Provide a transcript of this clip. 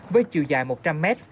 với chiều dài một trăm linh m